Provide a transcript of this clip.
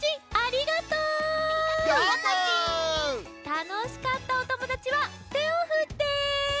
たのしかったおともだちはてをふって。